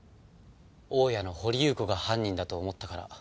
大家の掘祐子が犯人だと思ったから。